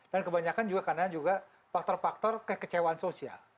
dan kebanyakan juga karena juga faktor faktor kekecewaan sosial